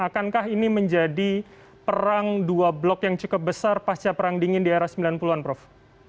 akankah ini menjadi perang dua blok yang cukup besar pasca perang dingin di era sembilan puluh an prof